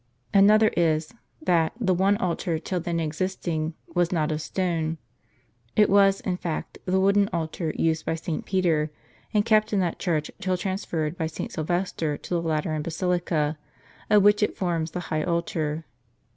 Another is, that the one altar till then existing Avas not of stone. It was, in fact, the wooden altar used by St. Peter, and kept in that church, till transferred by St. Sylvester to the Lateran basilica, of which it forms the high altar.